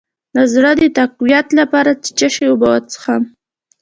د زړه د تقویت لپاره د څه شي اوبه وڅښم؟